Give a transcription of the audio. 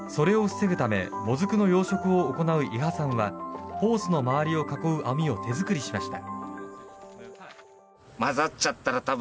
それを防ぐためモズクの養殖を行う伊波さんはホースの周りを囲う網を手作りしました。